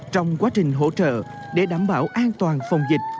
trong quá trình hỗ trợ để đảm bảo an toàn phòng dịch